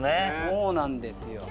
そうなんですよ。